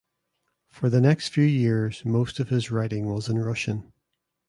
For the next few years most of his writing was in Russian.